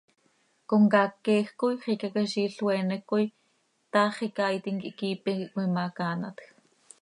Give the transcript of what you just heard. Comcaac queeej coi xicaquiziil oeenec coi, taax icaiitim quih quiipe quih cöimacaanatj.